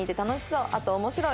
「あと面白い！